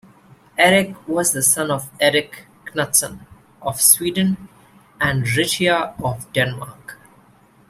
Eric was the son of Eric Knutsson of Sweden and Richeza of Denmark.